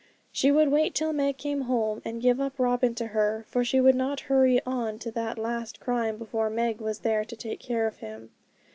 She would wait till Meg came home and give up Robin to her, for she would not hurry on to that last crime before Meg was there to take care of him.